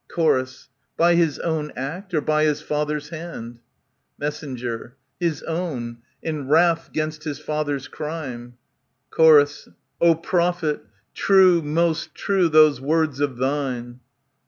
Chr, By his own act, or by his father's hand ? Mess. His own, in wrath against his father's crime. CSor, O prophet ! true, most true, those words of thine.